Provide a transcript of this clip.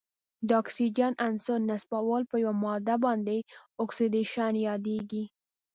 د اکسیجن عنصر نصبول په یوه ماده باندې اکسیدیشن یادیږي.